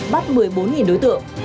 bắt một mươi bốn đối tượng